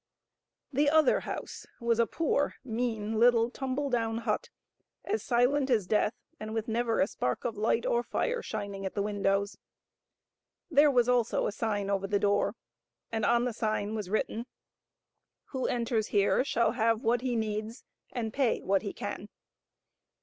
The other house was a poor, mean, little, tumble down hut, as silent as death, and with never a spark of light or fire shining at the windows. There was also a sign over the door, and on the sign was written, *' WHO ENTERS HERE SHALL HAVE WHAT HE NEEDS AND PAY WHAT HE CAN."